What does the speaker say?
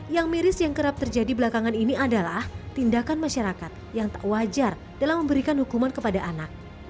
yang miris yang kerap terjadi belakangan ini adalah tindakan masyarakat yang tak wajar dalam memberikan hukuman kepada anak